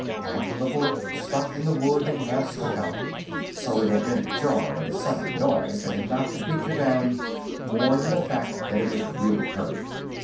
Half of the bullet stuck in the wood and half stuck out, so it had been the jar and the sudden noise that had knocked the creature down, more than the fact that it was really hurt.